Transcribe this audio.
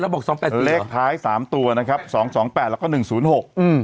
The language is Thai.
บอกสองแปดเลขท้ายสามตัวนะครับสองสองแปดแล้วก็หนึ่งศูนย์หกอืม